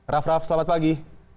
raff raff selamat pagi